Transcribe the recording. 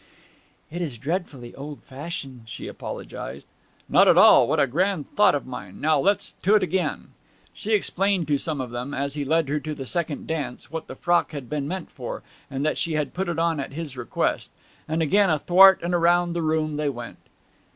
'It is dreadfully old fashioned,' she apologized. 'Not at all. What a grand thought of mine! Now, let's to't again.' She explained to some of them, as he led her to the second dance, what the frock had been meant for, and that she had put it on at his request. And again athwart and around the room they went.